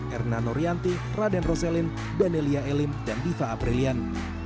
erna norianti raden roselin danelia elim dan diva aprilian